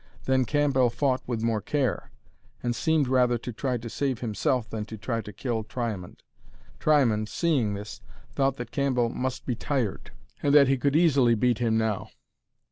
Then Cambell fought with more care, and seemed rather to try to save himself than to try to kill Triamond. Triamond, seeing this, thought that Cambell must be tired, and that he could easily beat him now.